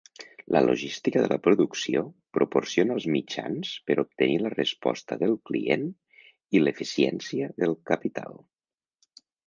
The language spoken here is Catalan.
La logística de la producció proporciona els mitjans per obtenir la resposta del client i l'eficiència del capital.